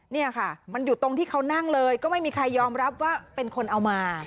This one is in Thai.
เนี่ยค่ะมันอยู่ตรงที่เขานั่งเลยก็ไม่มีใครยอมรับว่าเป็นคนเอามา